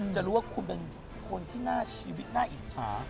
จะรู้ว่าคุณเป็นคนที่น่าชีวิตน่าอิจฉา